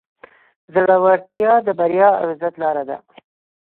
زړورتیا د بریا او عزت لاره ده.